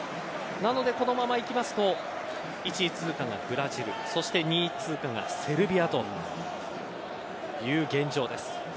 なので、このままいきますと１位通過がブラジル２位通過がセルビアという現状です。